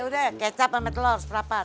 ya udah kecap sama telur seperempat